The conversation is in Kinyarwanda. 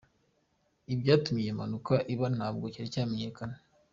Icyatumye iyo mpanuka iba ntabwo cyari cyamenyekana.